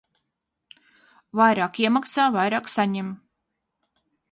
Vair?k iemaks? - vair?k sa?em.